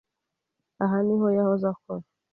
Aha niho yahoze akora.